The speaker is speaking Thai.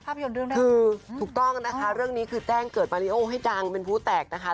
เรื่องแรกคือถูกต้องนะคะเรื่องนี้คือแจ้งเกิดมาริโอให้ดังเป็นผู้แตกนะคะ